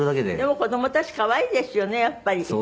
でも子どもたち可愛いですよねやっぱり。